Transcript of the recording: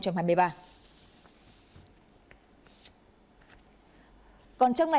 làm chết hai mươi bảy người bị thương sáu mươi bảy người